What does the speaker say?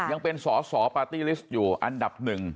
ยังเป็นสอสอปาร์ตี้ลิสต์อยู่อันดับหนึ่ง